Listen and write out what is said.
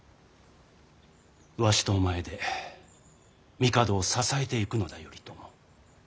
わしとお前で帝を支えていくのだ頼朝。